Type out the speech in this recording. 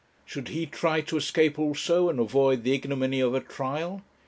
Should he try to escape also, and avoid the ignominy of a trial?